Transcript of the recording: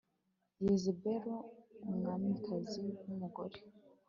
Yezebeli umwamikazi w umugome